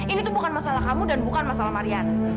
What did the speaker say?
ini tuh bukan masalah kamu dan bukan masalah mariana